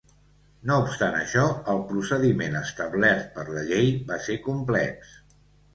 No obstant això, el procediment establert per la llei va ser complex.